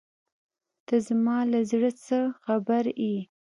ته زما له زړۀ څه خبر یې.